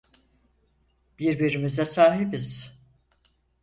Birbirimize sahibiz.